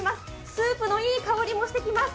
スープのいい香りもしてきています。